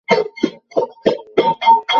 পরে তিনি ঢাকা কলেজে ভর্তি হন।